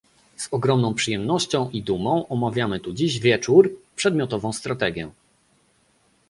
Z ogromną przyjemnością i dumą omawiamy tu dziś wieczór przedmiotową strategię